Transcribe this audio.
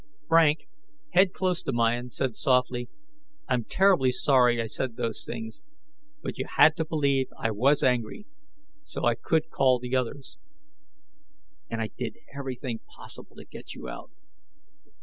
Frank, head close to mine, said softly, "I'm terribly sorry I said those things, but you had to believe I was angry, so I could call the others " "And I did everything possible to get you out...."